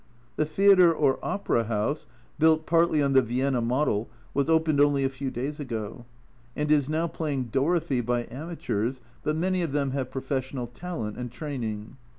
The theatre, or Opera House, built partly on the Vienna model, was opened only a few days ago, and is now playing Dorothy, by amateurs, but many of them have professional talent and training.